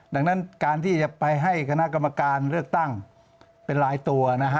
ดังนั้นการที่จะไปให้คณะกรรมการเลือกตั้งเป็นลายตัวนะฮะ